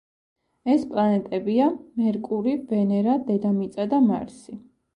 ეს პლანეტებია: მერკური, ვენერა, დედამიწა და მარსი.